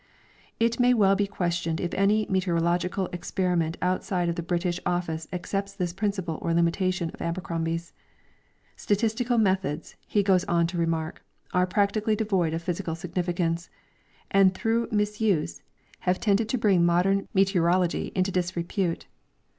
It may well be questioned if any meteorological expert out side of the British office accepts this principle or limitation of Abercrombie's. Statistical methods, he goes on to remark, are practically devoid of physical significance, and through misuse have tended to bring modern meteorology into disrepute.